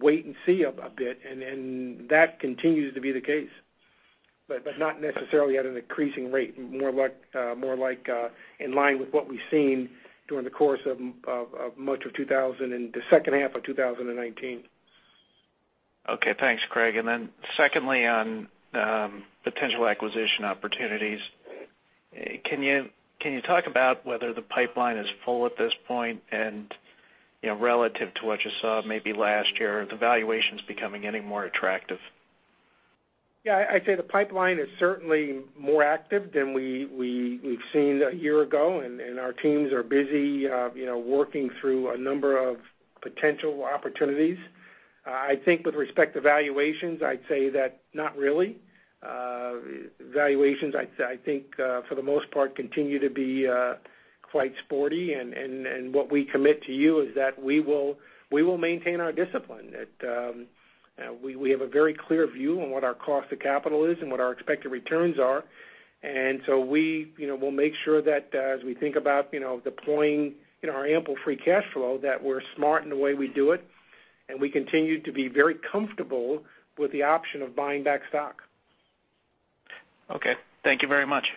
wait and see a bit, and that continues to be the case, but not necessarily at an increasing rate. More like in line with what we've seen during the course of much of H2 of 2019. Okay. Thanks, Craig. Secondly, on potential acquisition opportunities. Can you talk about whether the pipeline is full at this point and, relative to what you saw maybe last year, are the valuations becoming any more attractive? Yeah. I'd say the pipeline is certainly more active than we've seen a year ago, and our teams are busy working through a number of potential opportunities. I think with respect to valuations, I'd say that not really. Valuations, I think, for the most part, continue to be quite sporty, and what we commit to you is that we will maintain our discipline. We have a very clear view on what our cost of capital is and what our expected returns are, and so we will make sure that as we think about deploying our ample free cash flow, that we're smart in the way we do it, and we continue to be very comfortable with the option of buying back stock. Okay. Thank you very much.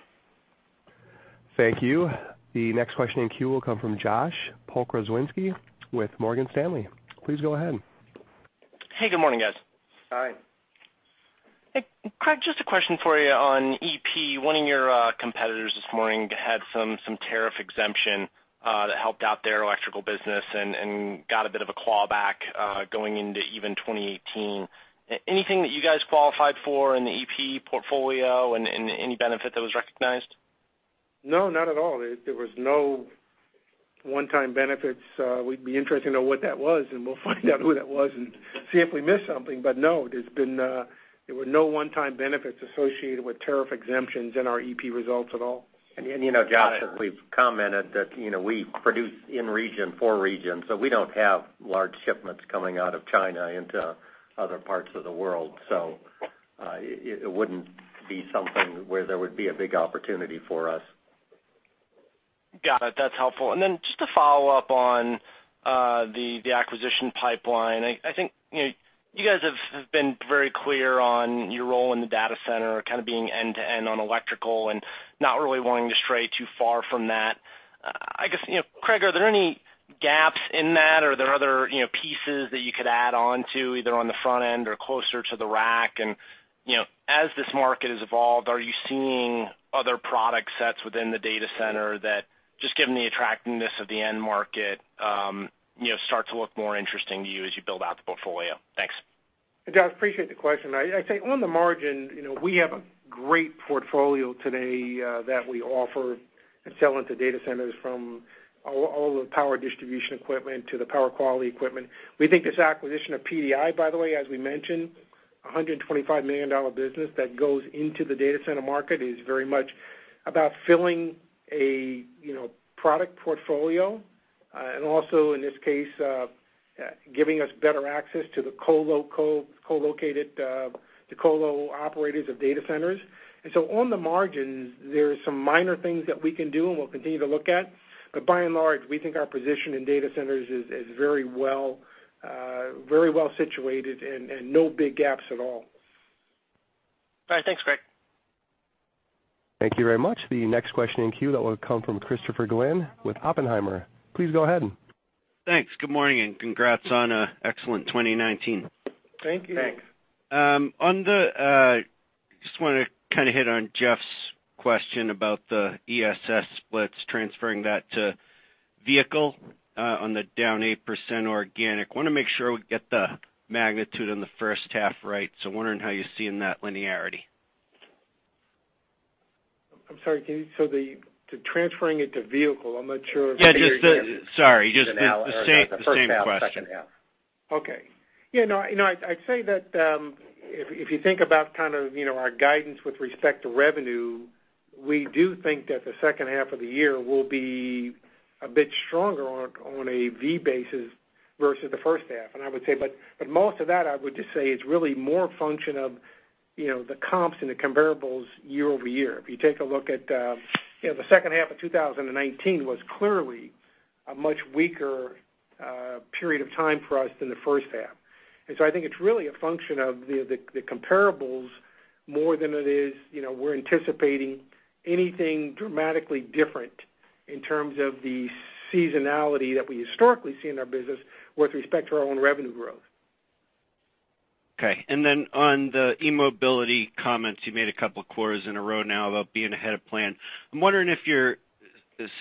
Thank you. The next question in queue will come from Josh Pokrzywinski with Morgan Stanley. Please go ahead. Hey, good morning, guys. Hi. Hey, Craig, just a question for you on EP. One of your competitors this morning had some tariff exemption that helped out their electrical business and got a bit of a clawback going into even 2018. Anything that you guys qualified for in the EP portfolio and any benefit that was recognized? No, not at all. There was no one-time benefits. We'd be interested to know what that was, and we'll find out who that was and see if we missed something. No, there were no one-time benefits associated with tariff exemptions in our EP results at all. Josh, as we've commented that we produce in region for region, so we don't have large shipments coming out of China into other parts of the world. It wouldn't be something where there would be a big opportunity for us. Got it. That's helpful. Just to follow up on the acquisition pipeline. I think you guys have been very clear on your role in the data center kind of being end-to-end on electrical and not really wanting to stray too far from that. I guess, Craig, are there any gaps in that, or are there other pieces that you could add on to, either on the front end or closer to the rack? As this market has evolved, are you seeing other product sets within the data center that just given the attractiveness of the end market start to look more interesting to you as you build out the portfolio? Thanks. Josh, appreciate the question. I'd say on the margin, we have a great portfolio today that we offer and sell into data centers from all the power distribution equipment to the power quality equipment. We think this acquisition of PDI, by the way, as we mentioned, $125 million business that goes into the data center market, is very much about filling a product portfolio, and also, in this case, giving us better access to the co-located, the colo operators of data centers. On the margins, there are some minor things that we can do and we'll continue to look at, but by and large, we think our position in data centers is very well situated and no big gaps at all. All right. Thanks, Craig. Thank you very much. The next question in queue that will come from Christopher Glynn with Oppenheimer. Please go ahead. Thanks. Good morning, and congrats on an excellent 2019. Thank you. Thanks. Just want to kind of hit on Jeff's question about the ESS splits, transferring that to vehicle on the down 8% organic. Want to make sure we get the magnitude in the first half right, wondering how you're seeing that linearity. I'm sorry. The transferring it to vehicle. Yeah, Sorry, just the same question. The H1, H2. Okay. I'd say that, if you think about our guidance with respect to revenue, we do think that H2 of the year will be a bit stronger on a V basis versus the H1 I would say, but most of that, I would say, is really more function of the comps and the comparables year-over-year. If you take a look at H2 of 2019 was clearly a much weaker period of time for us than H1. I think it's really a function of the comparables more than it is we're anticipating anything dramatically different in terms of the seasonality that we historically see in our business with respect to our own revenue growth. Okay. On the eMobility comments, you made a couple of quarters in a row now about being ahead of plan. I'm wondering if you're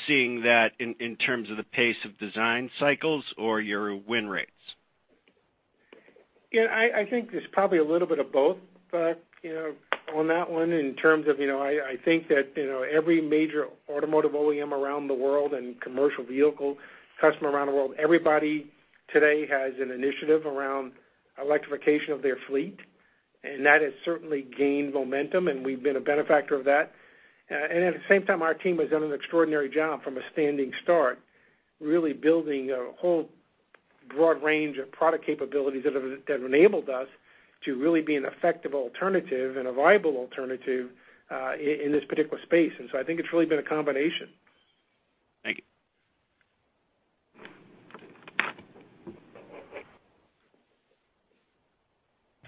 seeing that in terms of the pace of design cycles or your win rates? I think there's probably a little bit of both, but on that one, in terms of I think that every major automotive OEM around the world and commercial vehicle customer around the world, everybody today has an initiative around electrification of their fleet, and that has certainly gained momentum, and we've been a benefactor of that. At the same time, our team has done an extraordinary job from a standing start, really building a whole broad range of product capabilities that have enabled us to really be an effective alternative and a viable alternative in this particular space. I think it's really been a combination. Thank you.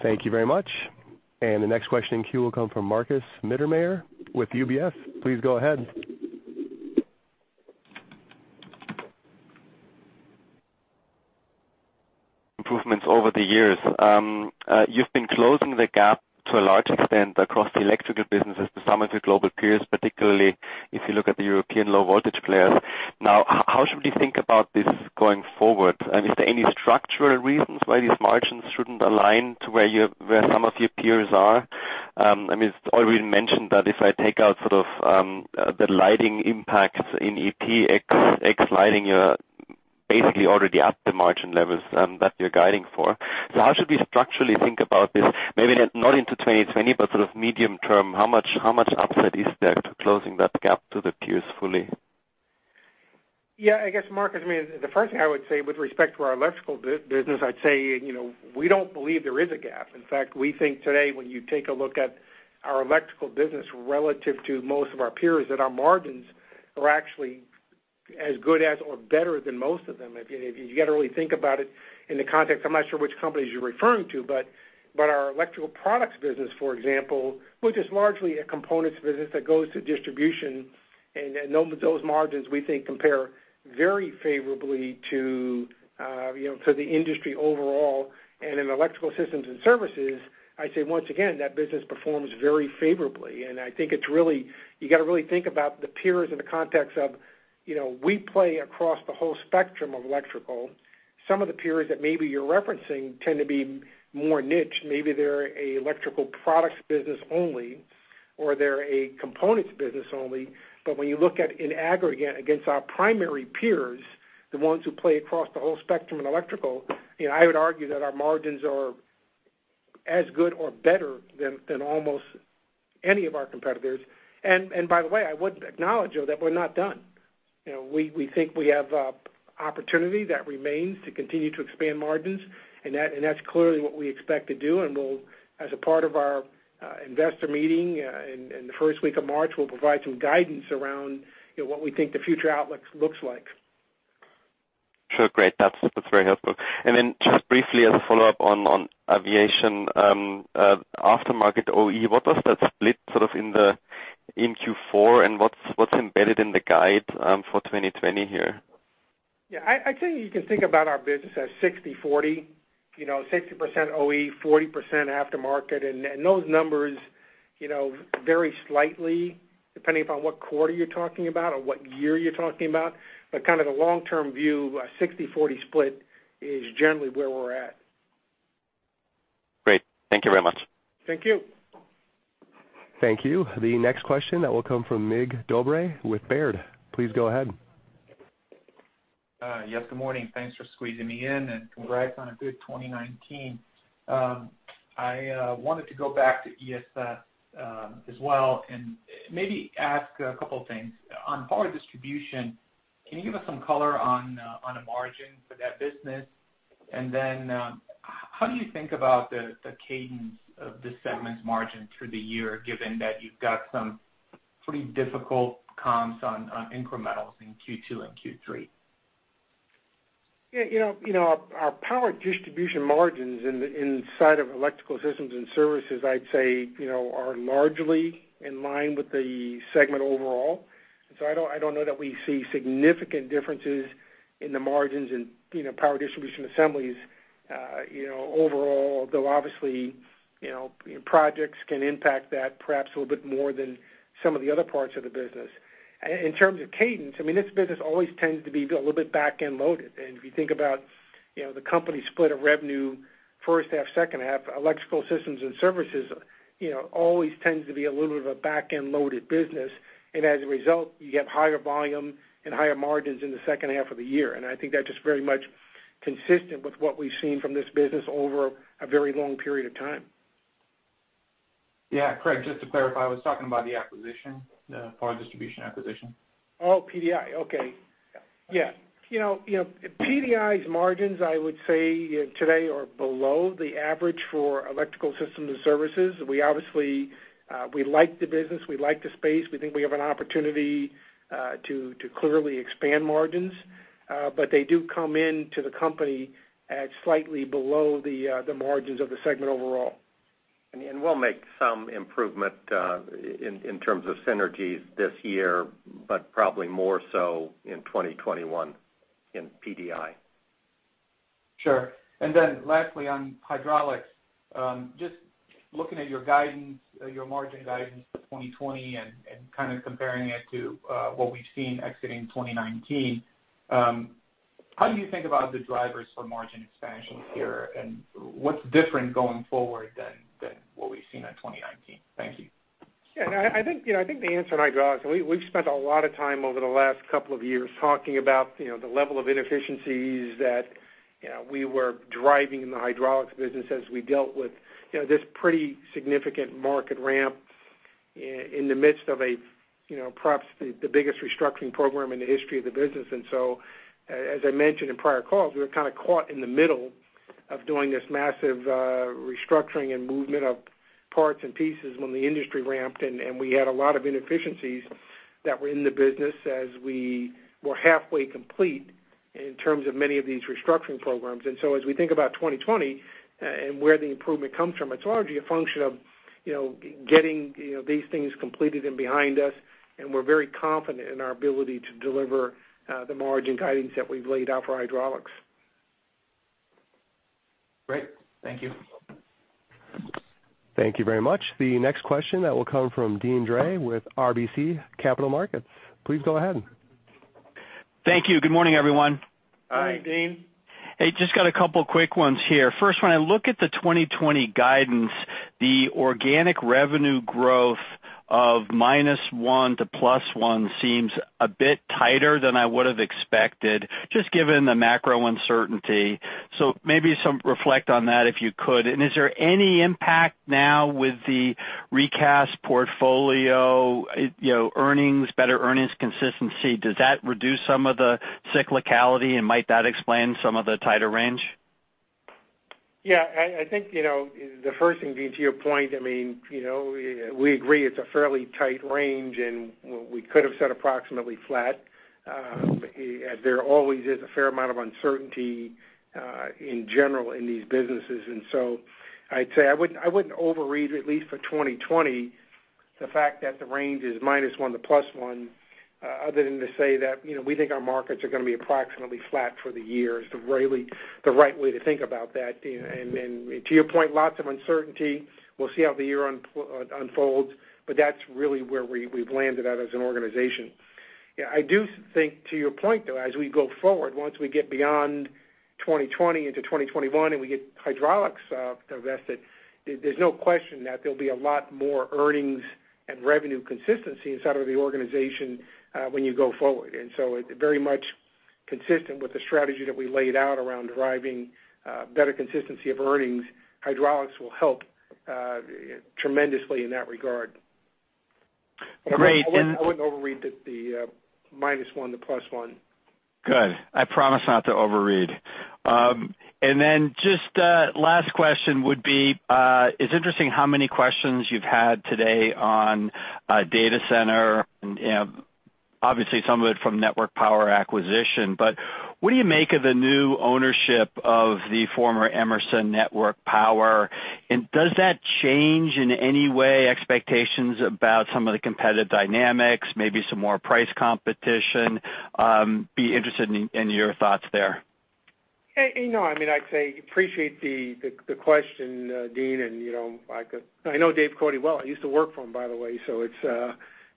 Thank you very much. The next question in queue will come from Markus Mittermaier with UBS. Please go ahead. Improvements over the years. You've been closing the gap to a large extent across the electrical businesses to some of your global peers, particularly if you look at the European low voltage players. How should we think about this going forward? Is there any structural reasons why these margins shouldn't align to where some of your peers are? It's already mentioned that if I take out sort of the lighting impacts in EP, ex lighting, you're basically already at the margin levels that you're guiding for. How should we structurally think about this? Maybe not into 2020, but sort of medium term, how much upside is there to closing that gap to the peers fully? Yeah, I guess, Markus, the first thing I would say with respect to our electrical business, I'd say we don't believe there is a gap. In fact, we think today, when you take a look at our electrical business relative to most of our peers, that our margins are actually as good as or better than most of them. You got to really think about it in the context, I'm not sure which companies you're referring to, but our Electrical Products business, for example, which is largely a components business that goes to distribution. Those margins, we think compare very favorably to the industry overall. In Electrical Systems and Services, I'd say once again, that business performs very favorably. I think you got to really think about the peers in the context of we play across the whole spectrum of electrical. Some of the peers that maybe you're referencing tend to be more niche. Maybe they're an Electrical Products business only, or they're a components business only. When you look at in aggregate against our primary peers, the ones who play across the whole spectrum in electrical, I would argue that our margins are as good or better than almost any of our competitors. By the way, I would acknowledge, though, that we're not done. We think we have opportunity that remains to continue to expand margins, that's clearly what we expect to do. We'll, as a part of our investor meeting in the first week of March, we'll provide some guidance around what we think the future outlook looks like. Sure. Great. That's very helpful. Then just briefly as a follow-up on aviation, aftermarket OE, what was that split in Q4 and what's embedded in the guide for 2020 here? Yeah. I'd say you can think about our business as 60-40, 60% OE, 40% after market. Those numbers vary slightly depending upon what quarter you're talking about or what year you're talking about. Kind of the long-term view, a 60-40 split is generally where we're at. Great. Thank you very much. Thank you. Thank you. The next question will come from Mig Dobre with Baird. Please go ahead. Yes, good morning. Thanks for squeezing me in, congrats on a good 2019. I wanted to go back to ESS as well and maybe ask a couple of things. On Power Distribution, can you give us some color on the margin for that business? Then how do you think about the cadence of the segment's margin through the year, given that you've got some pretty difficult comps on incrementals in Q2 and Q3? Yeah. Our power distribution margins inside of Electrical Systems and Services, I'd say, are largely in line with the segment overall. So I don't know that we see significant differences in the margins in power distribution assemblies overall, though obviously, projects can impact that perhaps a little bit more than some of the other parts of the business. In terms of cadence, this business always tends to be a little bit back-end loaded. If you think about the company split of revenue first half, second half, Electrical Systems and Services always tends to be a little bit of a back-end loaded business. As a result, you get higher volume and higher margins in the second half of the year. I think that's just very much consistent with what we've seen from this business over a very long period of time. Yeah. Craig, just to clarify, I was talking about the acquisition, the Power Distribution acquisition. Oh, PDI. Okay. Yeah. Yeah. PDI's margins, I would say today, are below the average for Electrical Systems and Services. We like the business. We like the space. We think we have an opportunity to clearly expand margins. They do come into the company at slightly below the margins of the segment overall. We'll make some improvement in terms of synergies this year, but probably more so in 2021 in PDI. Sure. Lastly, on hydraulics, just looking at your margin guidance for 2020 and kind of comparing it to what we've seen exiting 2019, how do you think about the drivers for margin expansion here, what's different going forward than what we've seen in 2019? Thank you. Yeah. I think the answer on hydraulics, we've spent a lot of time over the last couple of years talking about the level of inefficiencies that we were driving in the hydraulics business as we dealt with this pretty significant market ramp in the midst of perhaps the biggest restructuring program in the history of the business. As I mentioned in prior calls, we were kind of caught in the middle of doing this massive restructuring and movement of parts and pieces when the industry ramped, and we had a lot of inefficiencies that were in the business as we were halfway complete in terms of many of these restructuring programs. As we think about 2020 and where the improvement comes from, it's largely a function of getting these things completed and behind us, and we're very confident in our ability to deliver the margin guidance that we've laid out for hydraulics. Great. Thank you. Thank you very much. The next question that will come from Deane Dray with RBC Capital Markets. Please go ahead. Thank you. Good morning, everyone. Morning, Deane. Hey, just got a couple quick ones here. First, when I look at the 2020 guidance, the organic revenue growth of -1% to +1% seems a bit tighter than I would have expected, just given the macro uncertainty. Maybe some reflect on that if you could? Is there any impact now with the recast portfolio, better earnings consistency? Does that reduce some of the cyclicality, and might that explain some of the tighter range? I think the first thing, Deane, to your point, we agree it's a fairly tight range, and we could've said approximately flat. There always is a fair amount of uncertainty in general in these businesses, I'd say I wouldn't overread, at least for 2020, the fact that the range is -1 to +1, other than to say that we think our markets are going to be approximately flat for the year is the right way to think about that, Deane. To your point, lots of uncertainty. We'll see how the year unfolds, but that's really where we've landed at as an organization. Yeah, I do think to your point, though, as we go forward, once we get beyond 2020 into 2021 and we get hydraulics divested, there's no question that there'll be a lot more earnings and revenue consistency inside of the organization when you go forward. It's very much consistent with the strategy that we laid out around deriving better consistency of earnings. Hydraulics will help tremendously in that regard. Great. I wouldn't overread the minus one to plus one. Good. I promise not to overread. Just a last question would be, it's interesting how many questions you've had today on data center, obviously some of it from Network Power acquisition. What do you make of the new ownership of the former Emerson Network Power, and does that change in any way expectations about some of the competitive dynamics, maybe some more price competition? Be interested in your thoughts there. No. I'd say appreciate the question, Deane. I know Dave Cote well. I used to work for him, by the way.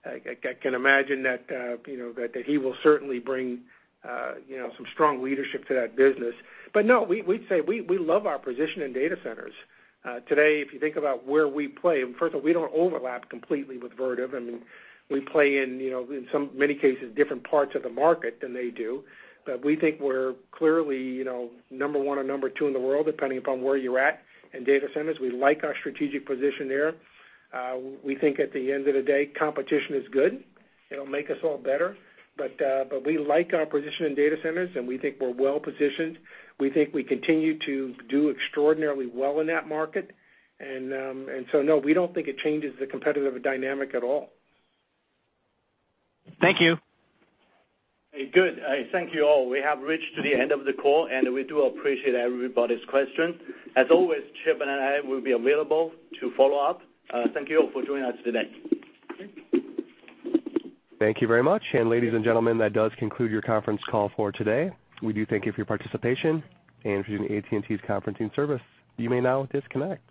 I can imagine that he will certainly bring some strong leadership to that business. No, we'd say we love our position in data centers. Today, if you think about where we play, first of all, we don't overlap completely with Vertiv. We play in many cases, different parts of the market than they do. We think we're clearly number one or number two in the world, depending upon where you're at in data centers. We like our strategic position there. We think at the end of the day, competition is good. It'll make us all better. We like our position in data centers, and we think we're well-positioned. We think we continue to do extraordinarily well in that market. No, we don't think it changes the competitive dynamic at all. Thank you. Good. Thank you all. We have reached to the end of the call, and we do appreciate everybody's question. As always, Chip and I will be available to follow up. Thank you all for joining us today. Thank you very much. Ladies and gentlemen, that does conclude your conference call for today. We do thank you for your participation and for using AT&T's conferencing service. You may now disconnect.